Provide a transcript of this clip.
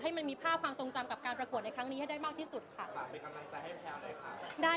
ให้มันมีภาพความสงจำกับปรากฎในครั้งนี้มากที่สุด